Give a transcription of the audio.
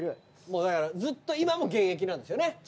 だからずっと今も現役なんですよね？